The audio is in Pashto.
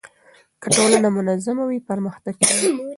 که ټولنه منظمه وي پرمختګ کوي.